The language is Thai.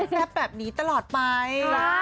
สวยแบบนี้ตลอดไป